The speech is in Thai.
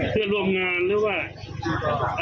เพื่อนร่วมงานหรือว่า